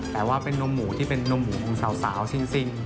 แต่ว่าเป็นนมหมูที่เป็นนมหมูของสาวจริง